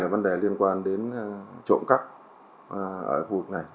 vấn đề liên quan đến trộm cắp ở khu vực này